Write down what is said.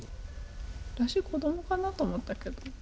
私、子どもかなと思ったけど。